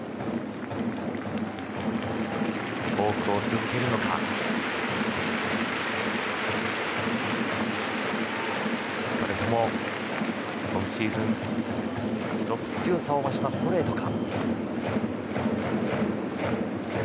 フォークを続けるのかそれとも、今シーズン１つ、強さを増したストレートか。